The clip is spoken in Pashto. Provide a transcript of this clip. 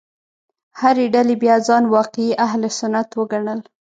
هرې ډلې بیا ځان واقعي اهل سنت وګڼل.